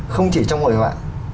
không chỉ trong hội họa